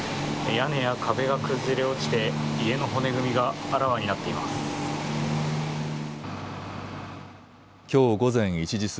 屋根や壁が崩れ落ちて家の骨組みがあらわになっています。